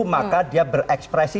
maka dia berekspresi